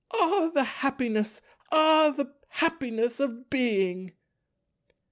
Ah, the happiness, ah, the happiness of Being!"